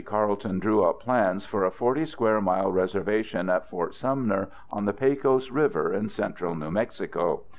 ] In 1863, Carleton drew up plans for a 40 square mile reservation at Fort Sumner on the Pecos River in central New Mexico.